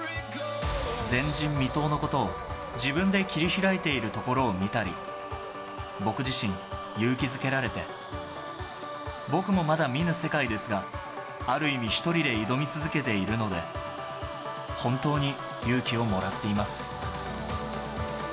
前人未到のことを自分で切り開いているところを見たり、僕自身、勇気づけられて、僕もまだ見ぬ世界ですが、ある意味、１人で挑み続けているので、本当に勇気をもらっています。